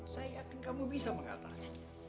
saya yakin kamu bisa mengatasinya